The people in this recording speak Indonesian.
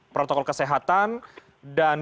protokol kesehatan dan